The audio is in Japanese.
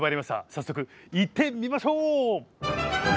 早速行ってみましょう！